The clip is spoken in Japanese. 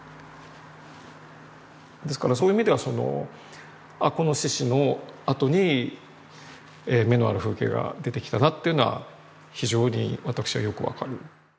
ですからそういう意味ではそのこの「シシ」のあとに「眼のある風景」が出てきたなっていうのは非常に私はよく分かる。